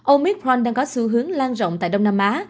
omicron đang có xu hướng lan rộng tại đông nam á